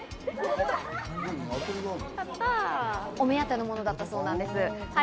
お目当てのものだったそうです。